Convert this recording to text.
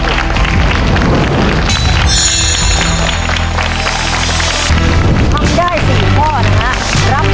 ทำได้๔ข้อนะครับ